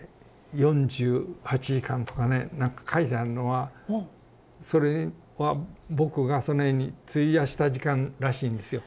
４８時間とかねなんか書いてあんのはそれは僕がその絵に費やした時間らしいんですよ。